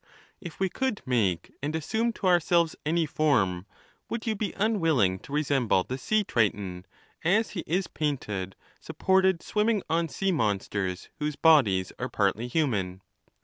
If we could malie and assume to ourselves any form, would you be unwilling to resemble the sea triton as he is painted supported swimming on sea monsters whose bodies are partly human?